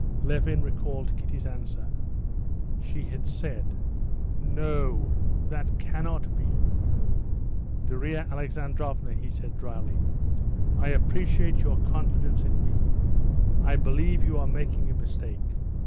Levin recalled Kitty's answer. She had said: "No, that cannot be...." "Darya Alexandrovna," he said dryly, "I appreciate your confidence in me; I believe you are making a mistake.